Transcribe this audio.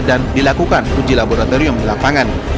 dilakukan uji laboratorium di lapangan